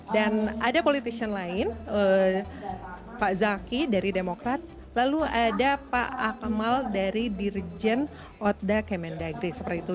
dan ada politician lain pak zaky dari demokrat lalu ada pak akmal dari dirjen oda kemendagri seperti itu